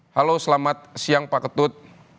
halo selamat siang pak ketut